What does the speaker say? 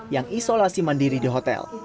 yang isolasi mandiri di hotel